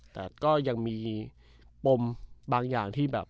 แต่ก็ยังมีปมบางอย่างที่แบบ